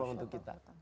ruang ruang untuk kita